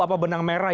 apa benang merah